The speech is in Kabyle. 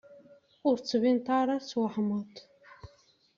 Ur d-tbaneḍ ara twehmeḍ.